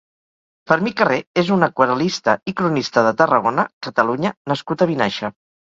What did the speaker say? Fermí Carré és un aquarel·lista i cronista de Tarragona, Catalunya nascut a Vinaixa.